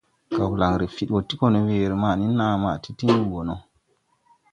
Gawlaŋre fiɗwɔɔ ti gɔ ne weere naa ma ti tiŋ wuu wɔ.